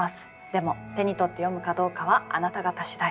でも手に取って読むかどうかはあなた方次第。